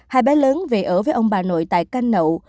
hai bé lớn về ở với ông bà nội tại canh nậu